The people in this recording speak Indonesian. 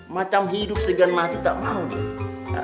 macam hidup segan mati tak mau dia